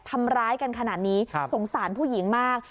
ทำร้ายกันขนาดนี้สงสารผู้หญิงมาก